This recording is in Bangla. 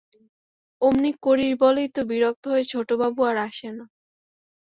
অমনি করিস বলেই তো বিরক্ত হয়ে ছোটবাবু আর আসে না।